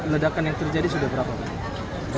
ledakan yang terjadi sudah berapa pak